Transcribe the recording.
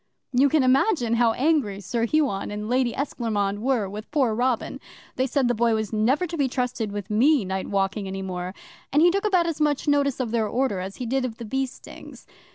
'You can imagine how angry Sir Huon and Lady Esclairmonde were with poor Robin! They said the Boy was never to be trusted with me night walking any more and he took about as much notice of their order as he did of the bee stings.